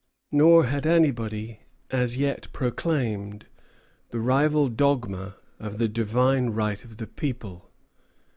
Nor had anybody as yet proclaimed the rival dogma of the divine right of the people.